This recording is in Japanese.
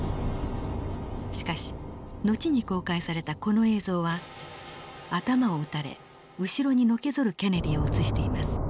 しかし後に公開されたこの映像は頭を撃たれ後ろにのけぞるケネディを映しています。